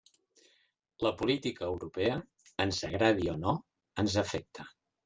La política europea, ens agradi o no, ens afecta.